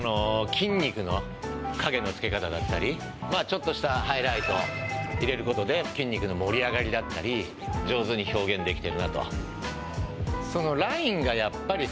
ちょっとしたハイライト入れることで筋肉の盛り上がりだったり上手に表現できてるなと。